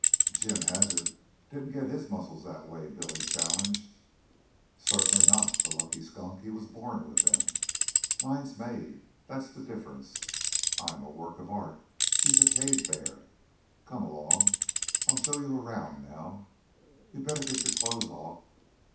"Jim Hazard didn't get his muscles that way," Billy challenged. "Certainly not, the lucky skunk; he was born with them. Mine's made. That's the difference. I'm a work of art. He's a cave bear. Come along. I'll show you around now. You'd better get your clothes off.